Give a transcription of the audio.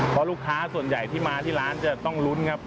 เพราะลูกค้าส่วนใหญ่ที่มาที่ร้านจะต้องลุ้นครับ